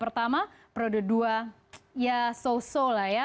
periode pertama periode dua ya so so lah ya